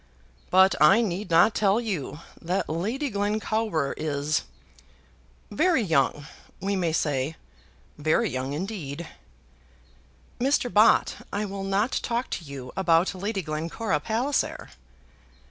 "But I need not tell you that Lady Glencowrer is very young; we may say, very young indeed." "Mr. Bott, I will not talk to you about Lady Glencora Palliser."